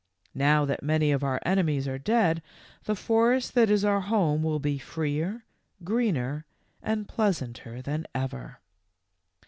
Now that many of our enemies are dead, the forest that is our home will be freer, greener, and pleasant er than ever.